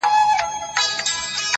o د گلو كر نه دى چي څوك يې پــټ كړي ـ